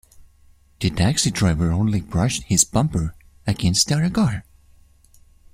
The taxi driver only brushed his bumper against the other car.